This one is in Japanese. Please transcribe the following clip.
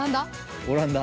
オランダ？